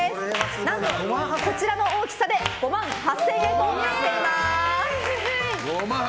何とこちらの大きさで５万８０００円となっています。